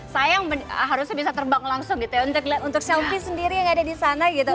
sayang harusnya bisa terbang langsung gitu ya untuk selfie sendiri yang ada disana gitu